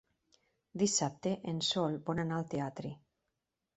Dissabte en Sol vol anar al teatre.